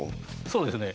そうですね。